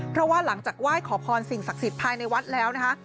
เพราะว่าหลังจากไหว้ขอพรสิ่งศักดิ์สิทธิภายในวัดแล้วนะคะ